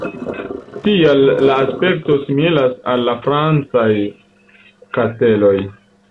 Tial la aspekto similas al la francaj kasteloj.